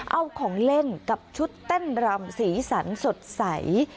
เอาของเล่นกับชุดเต้นรำสีสันสดใส